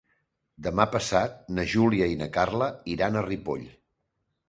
Demà passat na Júlia i na Carla iran a Ripoll.